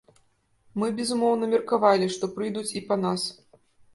Мы, безумоўна, меркавалі, што прыйдуць і па нас.